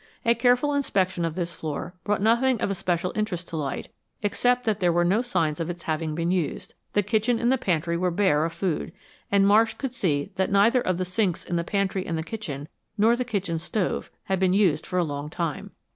A careful inspection of this floor brought nothing of especial interest to light except that there were no signs of its having been used. The kitchen and the pantry were bare of food, and Marsh could see that neither of the sinks in the pantry and the kitchen, nor the kitchen stove, had been used for a long time.